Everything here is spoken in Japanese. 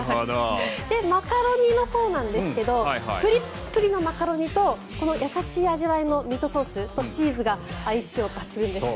マカロニのほうなんですがプリップリのマカロニとこの優しい味わいのミートソースとチーズが相性抜群でした。